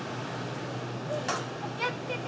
お気をつけて。